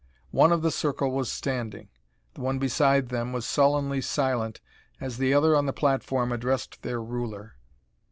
One of the circle was standing; the one beside them was sullenly silent as the other on the platform addressed their ruler.